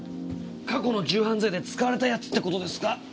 過去の銃犯罪で使われたやつって事ですか？